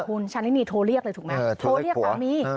คุณชาลินีโทรเรียกเลยถูกไหมโทรเรียกสามี